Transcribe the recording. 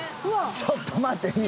ちょっと待ってよ。